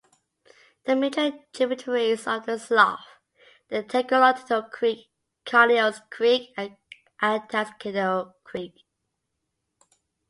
The major tributaries of the Slough are Tecolotito Creek, Carneros Creek, and Atascadero Creek.